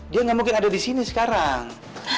dia gak mungkin ada disini sekarang